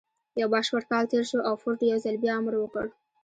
يو بشپړ کال تېر شو او فورډ يو ځل بيا امر وکړ.